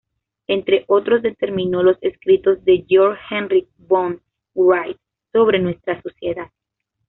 Entre otros, determinó los escritos de Georg Henrik von Wright sobre nuestra sociedad.